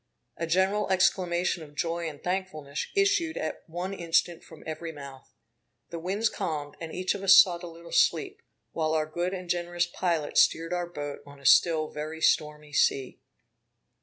A general exclamation of joy and thankfulness issued at one instant from every mouth. The winds calmed, and each of us sought a little sleep, while our good and generous pilot steered our boat on a still very stormy sea.